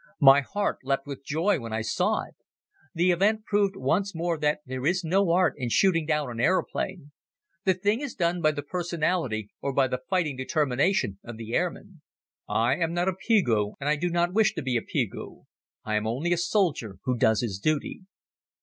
My heart leapt with joy when I saw it. The event proved once more that there is no art in shooting down an aeroplane. The thing is done by the personality or by the fighting determination of the airman. I am not a Pegoud and I do not wish to be a Pegoud. I am only a soldier who does his duty.